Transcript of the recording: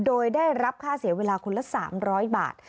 โดยได้รับค่าเสียเวลาคนละ๓๐๐บาท